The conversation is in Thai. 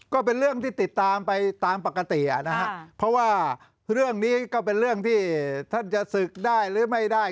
ก็เป็นเรื่องที่ติดตามไปตามปกตินะฮะเพราะว่าเรื่องนี้ก็เป็นเรื่องที่ท่านจะศึกได้หรือไม่ได้